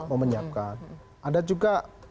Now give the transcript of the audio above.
memenyiapkan ada juga